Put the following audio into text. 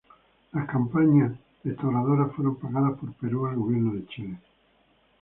Las campañas restauradoras fueron pagadas por Perú al gobierno de Chile.